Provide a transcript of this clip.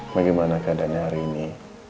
bagaimana keadaan hari ini